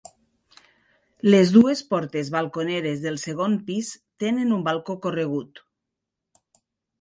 Les dues portes balconeres del segon pis tenen un balcó corregut.